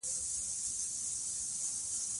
د خلکو زغم محدود دی